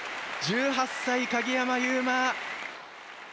１８歳、鍵山優真。